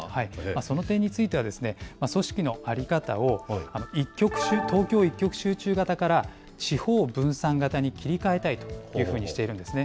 その点については、組織の在り方を東京一極集中型から地方分散型に切り替えたいというふうにしているんですね。